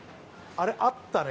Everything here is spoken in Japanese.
あれっあったね